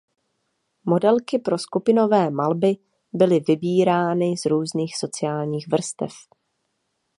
Modelky pro skupinové malby byly vybírány z různých sociálních vrstev.